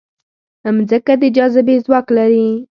مځکه د جاذبې ځواک لري.